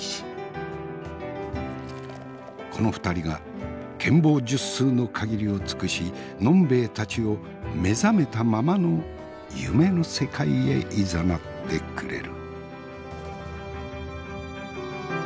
この２人が権謀術数の限りを尽くし呑兵衛たちを目覚めたままの夢の世界へいざなってくれる。